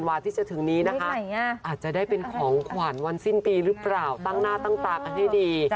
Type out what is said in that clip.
อาจจะได้เป็นของขวัญวันสิ้นปีหรือเปล่าตั้งหน้าตั้งตากันให้ดี